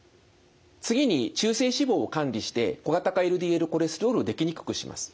次に中性脂肪を管理して小型化ＬＤＬコレステロールをできにくくします。